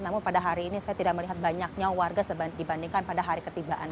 namun pada hari ini saya tidak melihat banyaknya warga dibandingkan pada hari ketibaan